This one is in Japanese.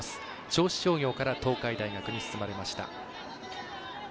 銚子商業から東海大学に進まれました。